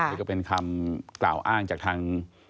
นี่ก็เป็นคำกล่าวอ้างจากทาง